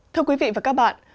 thưa quý vị và các bạn